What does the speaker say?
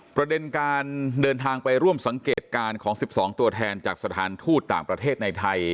ประเด็นการเดินทางไปร่วมสังเกตการณ์ของ๑๒ตัวแทนจากสถานทูตต่างประเทศในไทย